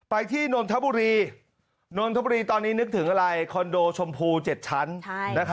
ที่นนทบุรีนนทบุรีตอนนี้นึกถึงอะไรคอนโดชมพู๗ชั้น